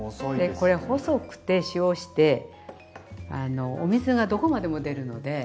でこれ細くて塩してあのお水がどこまでも出るので。